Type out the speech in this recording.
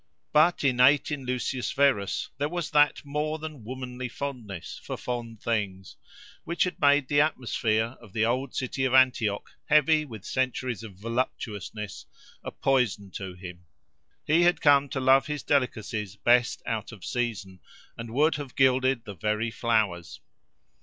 But innate in Lucius Verus there was that more than womanly fondness for fond things, which had made the atmosphere of the old city of Antioch, heavy with centuries of voluptuousness, a poison to him: he had come to love his delicacies best out of season, and would have gilded the very flowers.